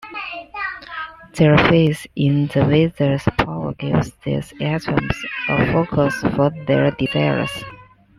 Their faith in the Wizard's power gives these items a focus for their desires.